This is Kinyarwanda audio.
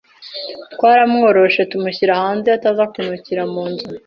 twaramworoshe tumushyira hanze ataza kunukira munzu